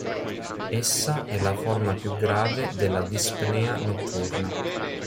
Essa è la forma più grave della dispnea notturna.